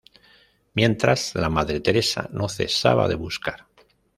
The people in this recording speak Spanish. Mientras, la madre Teresa no cesaba de buscar.